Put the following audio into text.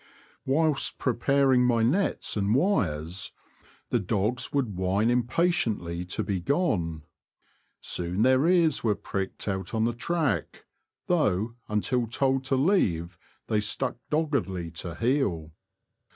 Whilst preparing my nets and wires, the dogs would whine impatiently to be gone. Soon their ears were pricked out on the track, though until told to leave they stuck doggedly to heel.